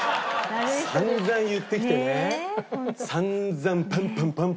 散々言ってきてね。